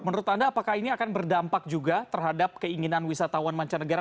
menurut anda apakah ini akan berdampak juga terhadap keinginan wisatawan mancanegara